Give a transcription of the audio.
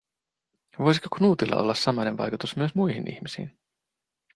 Voisiko Knutilla olla samainen vaikutus myös muihin ihmisiin?